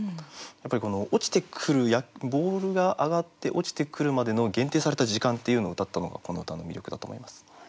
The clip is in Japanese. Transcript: やっぱりこの落ちてくるボールが上がって落ちてくるまでの限定された時間っていうのをうたったのがこの歌の魅力だと思います。